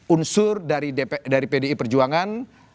unsur dari pdi perjuangan